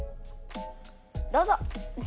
どうぞ。